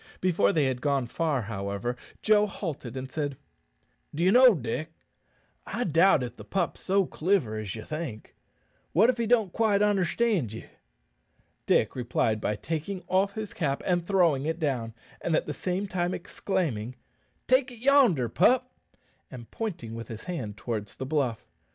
Before they had gone far, however, Joe halted, and said, "D'ye know, Dick, I doubt if the pup's so cliver as ye think. What if he don't quite onderstand ye?" Dick replied by taking off his cap and throwing it down, at the same time exclaiming, "Take it yonder, pup," and pointing with his hand towards the bluff.